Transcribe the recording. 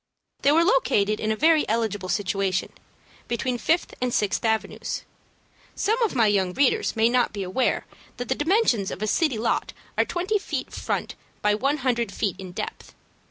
They were located in a very eligible situation, between Fifth and Sixth Avenues. Some of my young readers may not be aware that the dimensions of a city lot are twenty five feet front by one hundred feet in depth.